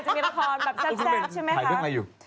เออใช่เมื่อไหร่จะมีละครแชบใช่ไหมครับ